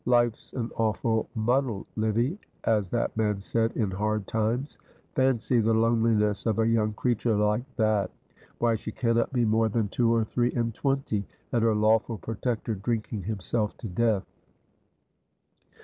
"Life's an awful muddle, Livy, as that man said in Hard Times; fancy the loneliness of a young creature like that; why, she cannot be more than two or three and twenty, and her lawful protector drinking himself to death."